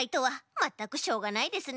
まったくしょうがないですね。